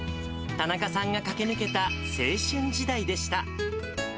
田中さんが駆け抜けた青春時代でした。